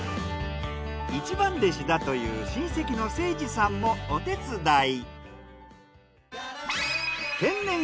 一番弟子だという親戚の聖二さんもお手伝い。